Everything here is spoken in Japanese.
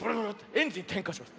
エンジンてんかします。